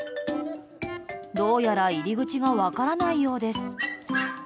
どうやら入り口が分からないようです。